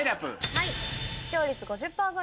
はい。